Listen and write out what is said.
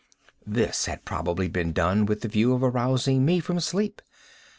This had probably been done with the view of arousing me from sleep.